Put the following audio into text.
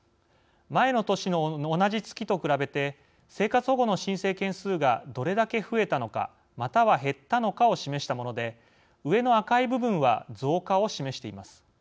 前の年の同じ月と比べて生活保護の申請件数がどれだけ増えたのかまたは減ったのかを示したもので上の赤い部分は増加を示しています。